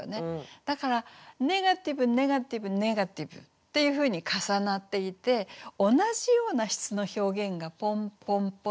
だからネガティブネガティブネガティブっていうふうに重なっていて同じような質の表現がポンポンポンと重なってるんです。